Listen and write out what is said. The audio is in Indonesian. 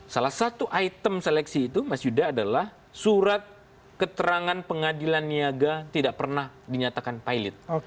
salah satu item seleksi itu mas yuda adalah surat keterangan pengadilan niaga tidak pernah dinyatakan pilot